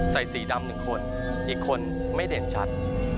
ใส่สีดำหนึ่งคนอีกคนไม่เด่นชัด